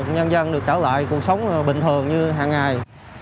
nhân dân được trở lại cuộc sống bình thường như hằng ngày